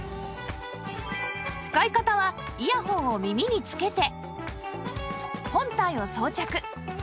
使い方はイヤホンを耳に着けて本体を装着